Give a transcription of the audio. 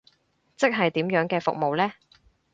即係點樣嘅服務呢？